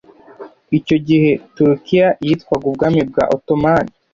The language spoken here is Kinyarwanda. icyo gihe turkiya yitwaga ubwami bwa ottoman